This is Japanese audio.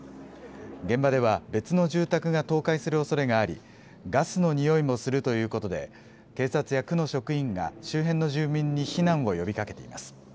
現場では、別の住宅が倒壊するおそれがあり、ガスのにおいもするということで、警察や区の職員が周辺の住民に避難を呼びかけています。